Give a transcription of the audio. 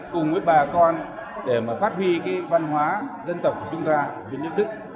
cùng với bà con để mà phát huy cái văn hóa dân tộc của chúng ta việt nam đức